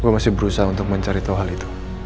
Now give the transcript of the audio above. gue masih berusaha untuk mencari tahu hal itu